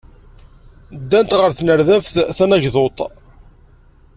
Ddant ɣer tnerdabt tanagdudt.